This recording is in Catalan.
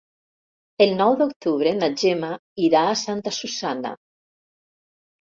El nou d'octubre na Gemma irà a Santa Susanna.